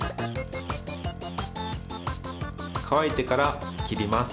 かわいてからきります。